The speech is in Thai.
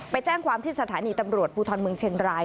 ไปแจ้งความที่สถานีตำรวจภูทรเมืองเชียงราย